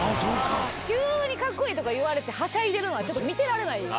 急にカッコイイとか言われてはしゃいでるのはちょっと見てられない。